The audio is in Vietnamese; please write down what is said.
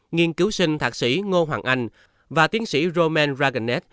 nghiên cứu sinh thạc sĩ ngô hoàng anh và tiến sĩ roman raganet